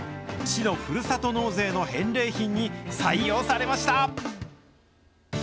市のふるさと納税の返礼品に採用されました。